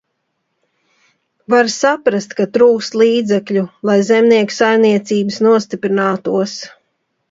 Var saprast, ka trūkst līdzekļu, lai zemnieku saimniecības nostiprinātos.